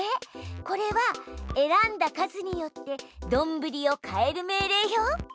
これはえらんだ数によってどんぶりを変える命令よ。